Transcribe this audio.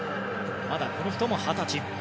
まだこの人も二十歳。